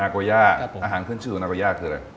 โกย่าอาหารขึ้นชื่อของนาโกย่าคืออะไร